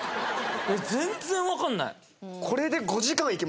全然わかんない。